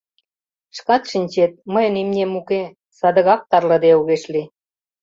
Шкат шинчет, мыйын имнем уке, садыгак тарлыде огеш лий.